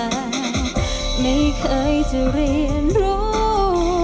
ไม่มีใครจะมาเห็นใจฉันเหนื่อยล่ะ